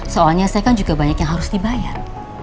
soalnya saya kan juga banyak yang harus dibayar